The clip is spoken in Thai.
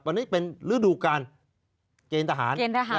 วันนี้เป็นฤดูการเกณฑ์ทหาร